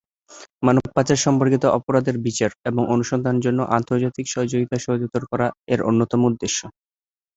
মানব পাচার সম্পর্কিত অপরাধের বিচার এবং অনুসন্ধানের জন্য আন্তর্জাতিক সহযোগিতা সহজতর করা এর অন্যতম উদ্দেশ্য।